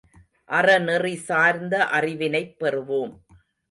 அறநெறி சார்ந்த அறிவினைப் பெறுவோம்.